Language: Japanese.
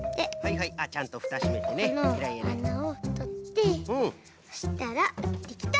このあなをとってそしたらできた！